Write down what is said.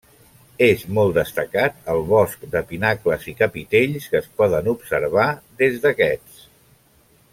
És molt destacat el bosc de pinacles i capitells que es poden observar des d'aquests.